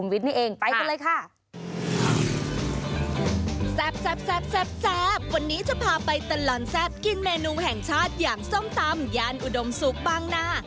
วันนี้จะพาไปตลอดแซ่บกินเมนูแห่งชาติอย่างส้มตำย่านอุดมศุกร์บางนา